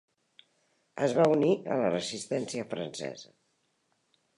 Es va unir a la Resistència francesa.